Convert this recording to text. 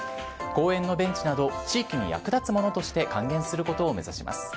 公園のベンチなど地域に役立つものとして還元することを目指します。